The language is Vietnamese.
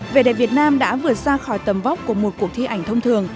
vẻ đẹp việt nam đã vượt ra khỏi tầm vóc của một cuộc thi ảnh thông thường